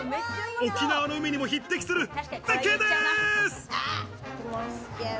沖縄の海にも匹敵する絶景です。